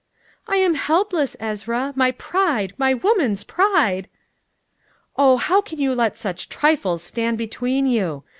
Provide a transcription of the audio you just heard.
"I am helpless, Ezra. My pride my woman's pride " "Oh, how can you let such trifles stand between you?